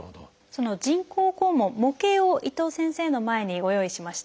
その人工肛門模型を伊藤先生の前にご用意しました。